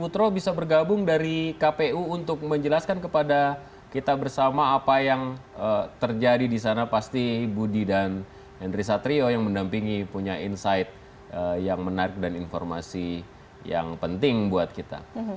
terima kasih banyak dan informasi yang penting buat kita